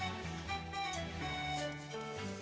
ampun taufiq ampun